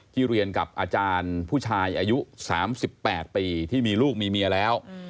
เรียนกับอาจารย์ผู้ชายอายุ๓๘ปีที่มีลูกมีเมียแล้ว